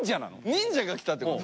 忍者が来たってこと？